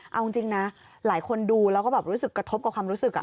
เอาจริงนะหลายคนดูแล้วก็แบบรู้สึกกระทบกับความรู้สึก